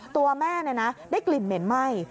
ตัวแม่ได้กลิ่นเหม็นไหม้